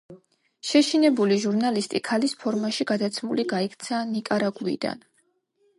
შეშინებული ჟურნალისტი ქალის ფორმაში გადაცმული გაიქცა ნიკარაგუიდან.